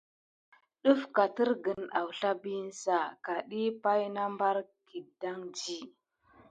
Dəf katergən awsla biyin sa? Ka diy pay na bare kidanti.